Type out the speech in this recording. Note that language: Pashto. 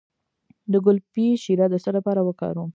د ګلپي شیره د څه لپاره وکاروم؟